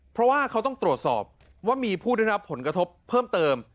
เพราะว่าเขาต้องตรวจสอบว่ามีผู้ได้รับผลกระทบเพิ่มเติม